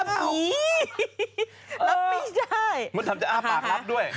มันทำให้อ้าปากรับด้วย